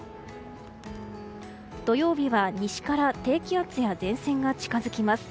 土曜日は西から低気圧や前線が近づきます。